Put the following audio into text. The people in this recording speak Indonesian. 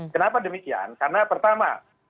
kenapa demikian karena pertama